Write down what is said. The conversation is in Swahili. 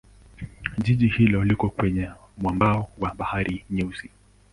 Jiji hilo liko kwenye mwambao wa Bahari Nyeusi.